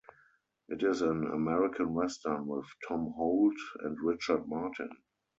It is an American western with Tom Holt and Richard Martin.